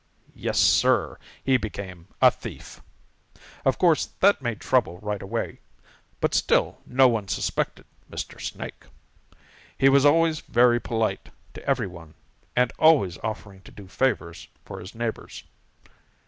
Yes, Sir, he became a thief. Of course that made trouble right away, but still no one suspected Mr. Snake. He was always very polite to every one and always offering to do favors for his neighbors.